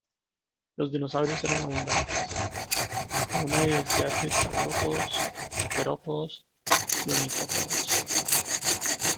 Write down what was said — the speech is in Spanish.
Los dinosaurios eran abundantes, con una diversidad de saurópodos, terópodos y ornitópodos.